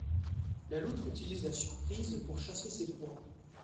La loutre utilise la surprise pour chasser ses proies.